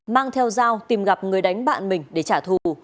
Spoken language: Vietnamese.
mang theo dao tìm gặp người đánh bạn mình để trả thù